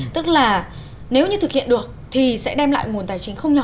tức là nếu như thực hiện được thì sẽ đem lại nguồn tài chính không nhỏ